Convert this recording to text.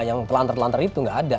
yang telantar telantar itu nggak ada